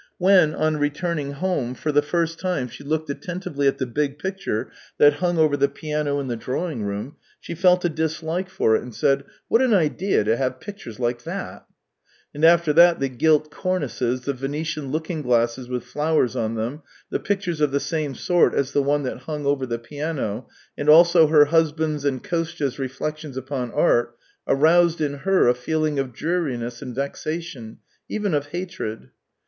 When, on returning home, for the first time she looked attentively at the big picture that hung over the piano in the drawing room, she felt a dislike for it, and said: " What an idea to have pictures like that !" And after that the gilt cornices, the Venetian looking glasses with flowers on them, the pictures of the same sort as the one that hung over the piano, and also her husband's and Kostya's reflections upon art, aroused in her a feeling of dreariness and vexation, even of hatred.